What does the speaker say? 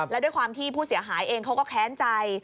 และด้วยความที่ผู้เสียหายเองเขาก็แค้นใจ